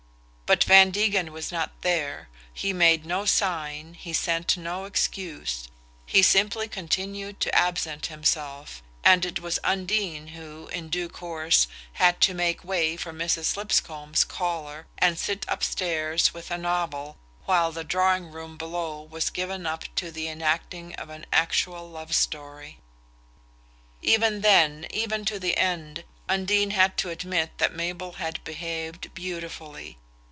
But Van Degen was not there. He made no sign, he sent no excuse; he simply continued to absent himself; and it was Undine who, in due course, had to make way for Mrs. Lipscomb's caller, and sit upstairs with a novel while the drawing room below was given up to the enacting of an actual love story. Even then, even to the end, Undine had to admit that Mabel had behaved "beautifully."